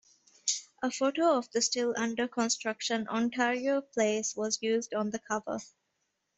A photo of the still under construction Ontario Place was used on the cover.